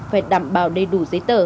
phải đảm bảo đầy đủ giấy tờ